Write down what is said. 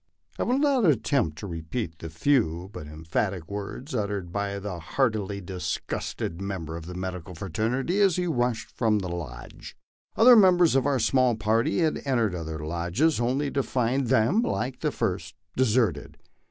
I will not attempt to repeat the few but emphatic words uttered by the heartily disgusted member of the medical fraternity as he rushed from the lodge. Other members of our small party had entered other lodges, only to find them, like the first, deserted.